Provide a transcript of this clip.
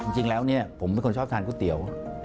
จริงแล้วผมเป็นคนชอบทานกูเตี๋ยว